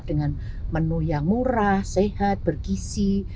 dengan menu yang murah sehat bergisi